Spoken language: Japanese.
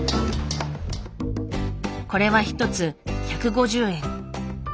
これは一つ１５０円。